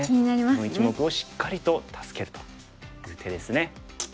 この１目をしっかりと助けるという手ですね。